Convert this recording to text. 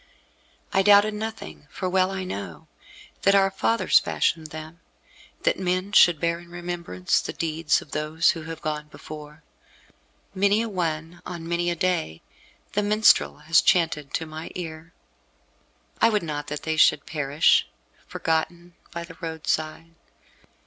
I doubted nothing for well I know that our fathers fashioned them, that men should bear in remembrance the deeds of those who have gone before. Many a one, on many a day, the minstrel has chanted to my ear. I would not that they should perish, forgotten, by the roadside.